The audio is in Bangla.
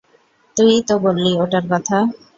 তুই-ই তো বললি ওটার কথা।